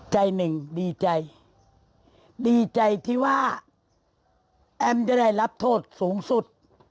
ใจหนึ่งดีใจดีใจที่ว่าแอมจะได้รับโทษสูงสุด